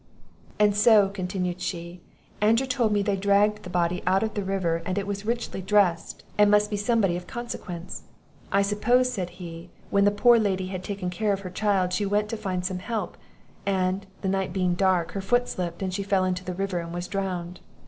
"And so," continued she, "Andrew told me they dragged the body out of the river, and it was richly dressed, and must be somebody of consequence. 'I suppose,' said he, 'when the poor Lady had taken care of her child, she went to find some help; and, the night being dark, her foot slipped, and she fell into the river, and was drowned.